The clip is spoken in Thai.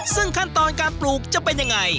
ซึ่งขั้นตอนการปลูกจะเป็นยังไง